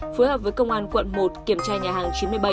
phối hợp với công an quận một kiểm tra nhà hàng chín mươi bảy